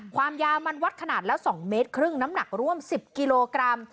ความยามันวัดขนาดละ๒๕เมตรน้ำหนักร่วม๑๐กิโลกรัม